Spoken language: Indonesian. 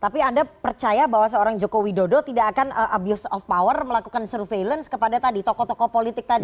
tapi anda percaya bahwa seorang joko widodo tidak akan abuse of power melakukan surveillance kepada tadi tokoh tokoh politik tadi